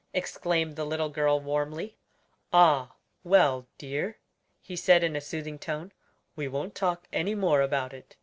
exclaimed the little girl warmly. "Ah! well, dear," he said in a soothing tone; "we won't talk any more about it.